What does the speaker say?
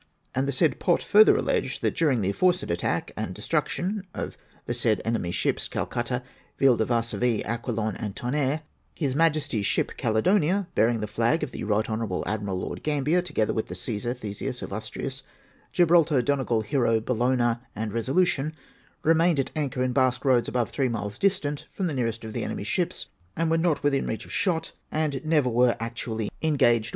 And the said Pott further alleged, that during the aforesaid attack and destruction of the said enemy's ships, Calcutta, Vdle de Varsovie, Aqudon, and Tonnerre ; His ]Majesty's ship, Ccdedonia, bearing the flag of the Kight Honourable Admiral Lord Gambler, together Avith the Cajsai; Theseus, Elustrious, Gibraltar, Donegal, Hero, Bellona, and Resolution, remained at anchor in Basque Roads above three miles distant from the nearest of the enemy's ships, and Avere not ivithin reach of shot and never ivere actually engaged AFFAIR OF AIX ROADS.